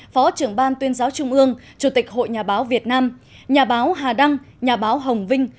phó trưởng ban tuyên giáo trung ương chủ tịch hội nhà báo việt nam nhà báo hà đăng nhà báo hồng vinh